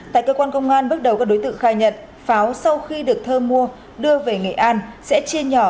tại cơ quan công an bước đầu các đối tượng khai nhận pháo sau khi được thơ mua đưa về nghệ an sẽ chia nhỏ